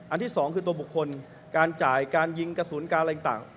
ที่สองคือตัวบุคคลการจ่ายการยิงกระสุนการอะไรต่าง